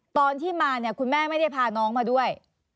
ตอนที่มาเนี่ยคุณแม่ไม่ได้พาน้องมาด้วย